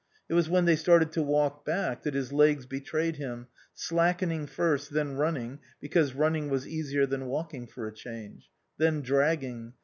It was when they started to walk back that his legs betrayed him, slackening first, then running, because running was easier than walking, for a change. Then dragging.